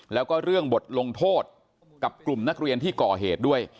แล้วก็เรื่องบทลงโทษกับกลุ่มนักเรียนที่ก่อเหตุด้วย